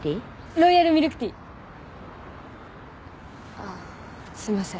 ロイヤルミルクティー！あっすみません。